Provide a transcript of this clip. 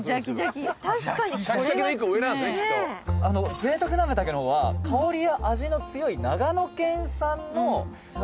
「贅沢なめ茸の方は香りや味の強い長野県産の茶